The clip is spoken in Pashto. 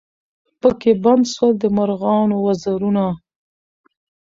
پکښي بند سول د مرغانو وزرونه